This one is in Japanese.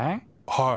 はい。